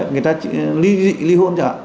người ta ly dị ly hôn